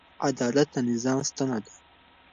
عدالت د نظام ستنه ده.